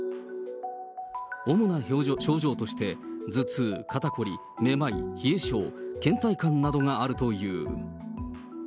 おもな症状として、頭痛、肩こり、めまい、冷え性、けん怠感などがあるという。